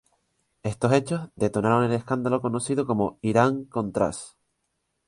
Estos hechos detonaron el escándalo conocido como Irán-Contras.